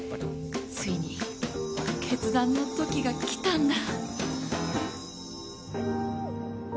ついに決断の時が来たんだ。